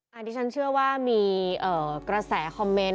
อันนี้ฉันเชื่อว่ามีกระแสคอมเมนต์